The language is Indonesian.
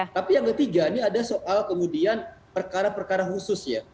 tapi yang ketiga ini ada soal kemudian perkara perkara khusus ya